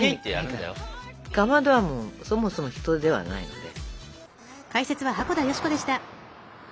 かまどはもうそもそも人ではないので。